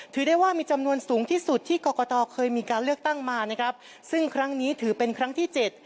ถือได้ว่ามีจำนวนสูงที่สุดที่กรกตเคยมีการเลือกตั้งมานะครับซึ่งครั้งนี้ถือเป็นครั้งที่เจ็ด